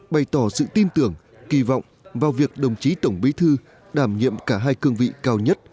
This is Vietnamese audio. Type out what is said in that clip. bày tỏ sự tin tưởng kỳ vọng vào việc đồng chí tổng bí thư đảm nhiệm cả hai cương vị cao nhất